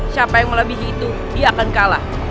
siapa yang melebihi itu dia akan kalah